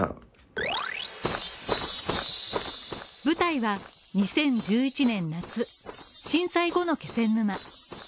舞台は２０１１年夏、震災後の気仙沼。